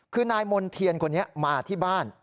คือนายมณ์เทียนคนนี้มาที่บ้าน